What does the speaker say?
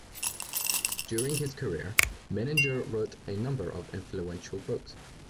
During his career, Menninger wrote a number of influential books.